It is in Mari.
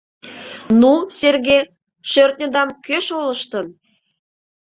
Ну, Серге, шӧртньыдам кӧ шолыштын?